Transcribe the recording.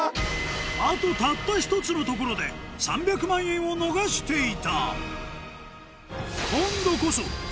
あとたった１つのところで３００万円を逃していた